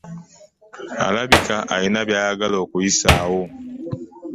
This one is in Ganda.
Alabika alina by'ayagala okuyisaawo.